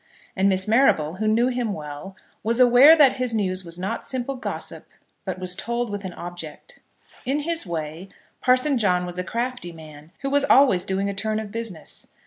And Miss Marrable, who knew him well, was aware that his news was not simple gossip, but was told with an object. In his way, Parson John was a crafty man, who was always doing a turn of business.